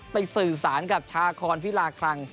ไปสื่อสารกับชาครพิราครัง